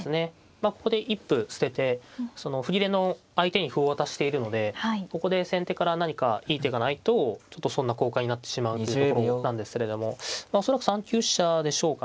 まあここで一歩捨てて歩切れの相手に歩を渡しているのでここで先手から何かいい手がないとちょっと損な交換になってしまうというところなんですけれども恐らく３九飛車でしょうかね。